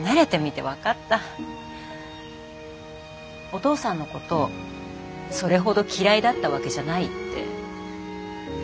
お父さんのことそれほど嫌いだったわけじゃないって。